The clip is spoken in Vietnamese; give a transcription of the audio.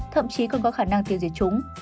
thậm chí còn có khả năng tiêu diệt chúng